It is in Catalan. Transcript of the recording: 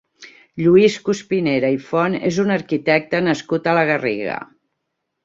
Lluís Cuspinera i Font és un arquitecte nascut a la Garriga.